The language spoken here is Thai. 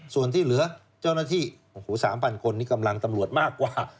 ส่วนที่เหลือเจ้าหน้าที่โอ้โห๓๐๐คนนี่กำลังตำรวจมากกว่า